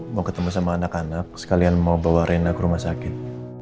mau ketemu sama anak anak sekalian mau bawa rena ke rumah sakit